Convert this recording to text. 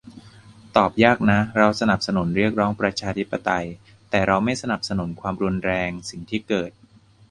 ตอบยากนะ เราสนับสนุนเรียกร้องประชาธิปไตย แต่เราไม่สนับสนุนความรุนแรง สิ่งที่เกิด